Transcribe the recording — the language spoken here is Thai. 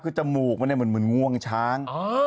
คือจมูกมันเนี่ยเหมือนง่วงช้าง